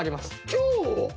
今日！？